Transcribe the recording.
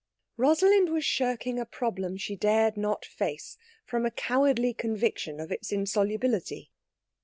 Rosalind was shirking a problem she dared not face from a cowardly conviction of its insolubility.